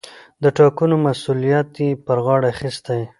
د ټاکلو مسووليت يې پر غاړه اخىستى.